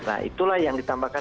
nah itulah yang ditambahkan